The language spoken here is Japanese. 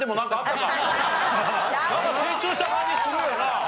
なんか成長した感じするよな。